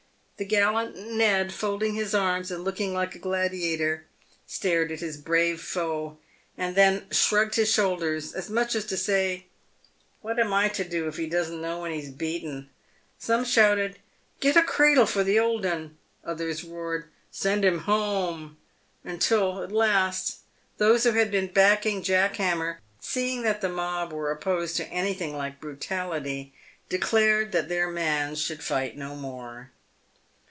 The gallant Ned, folding his arms, and looking like a gladiator, stared at his brave foe, and then shrugged his shoulders, as much as to say, " What am I to do if he doesn't know when he's beaten ?" Some shouted, " Get a cradle for the old 'un!" Others roared, " Send him home !" until at last those who had been backing Jack Hammer, seeing that the mob were opposed to anything like brutality, declared that their man should fight no more.